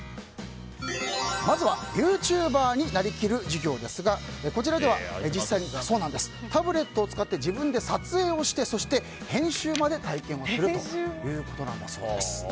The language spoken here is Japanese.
まずは、ユーチューバーになりきる授業ですがこちらでは実際にタブレットを使って自分で撮影をして編集まで体験するということなんだそうです。